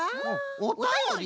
おたより？